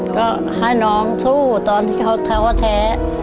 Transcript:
ก็ให้น้องสู้ตอนที่เขาแท้